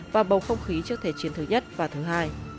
và bầu không khí trước thể chiến thứ nhất và thứ hai